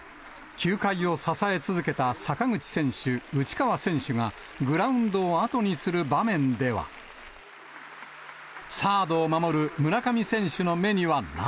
球界を支え続けた坂口選手、内川選手がグラウンドを後にする場面では、サードを守る村上選手の目には涙。